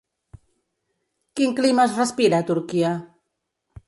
Quin clima es respira a Turquia?